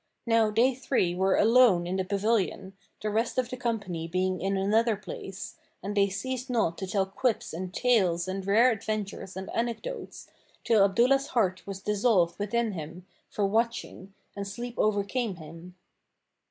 Now they three were alone in the pavilion, the rest of the company being in another place, and they ceased not to tell quips and tales and rare adventures and anecdotes, till Abdullah's heart was dissolved within him for watching and sleep overcame him.